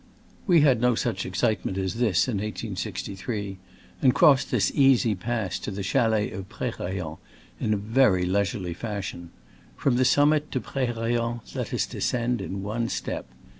We had no such excitement as this in 1863, and crossed this easy pass to the chalets of Prerayen in a very leisurely fashion. From the summit to Prerayen let us descend in one step.